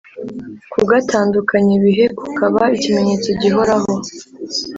kugatandukanya ibihe, kukaba ikimenyetso gihoraho.